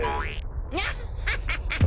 ナッハハハ！